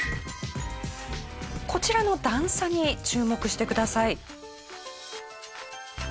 こちらの段差に注目してください。